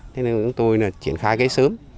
thế nên chúng tôi là triển khai cái sớm